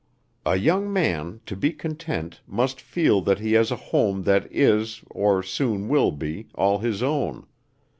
A young man, to be content, must feel that he has a home that is, or soon will be, all his own.